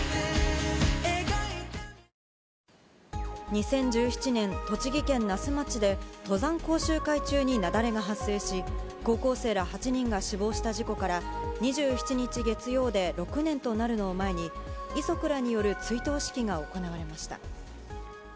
２０１７年、栃木県那須町で、登山講習会中に雪崩が発生し、高校生ら８人が死亡した事故から、２７日月曜で６年となるのを前に、遺族らによる追悼式が行われました。